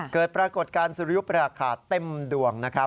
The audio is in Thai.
เกิดปรากฏการณ์สุริยุปราคาเต็มดวงนะครับ